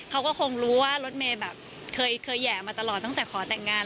เขาก็คงรู้ว่ารถเมย์แบบเคยแห่มาตลอดตั้งแต่ขอแต่งงาน